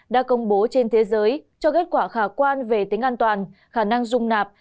đã công bố trên thế giới cho kết quả khả quan về tính an toàn khả năng dung nạp